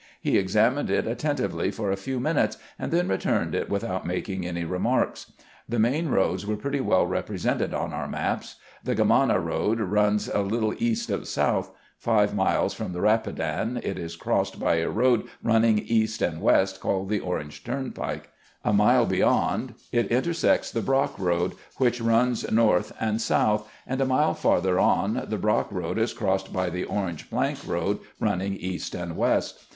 He ex amined it attentively for a few minutes, and then returned it without making any remarks. The main roads were pretty well represented on our maps. The Germanna road runs a little east of south; five miles from the Eapidan it is crossed by a road running east and west, called the Orange turnpike ; a mile beyond it intersects the Brock road, which runs north and«south; and a mile farther on the Brock road is crossed by the Orange plank road running east and west.